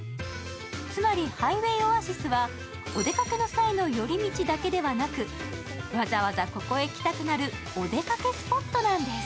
つまりハイウェイオアシスはお出かけの際の寄り道だけではなく、わざわざここへ来たくなるお出かけスポットなんです。